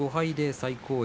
最高位。